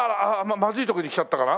まずいとこに来ちゃったかな。